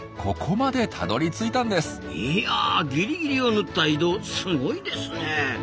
いやギリギリを縫った移動すごいですね。